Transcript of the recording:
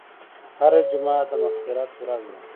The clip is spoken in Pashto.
هره جمعه د مغفرت ورځ ده.